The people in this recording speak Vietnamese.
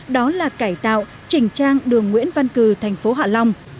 đó là cải tạo chỉnh trang đường nguyễn văn cử thành phố hạ long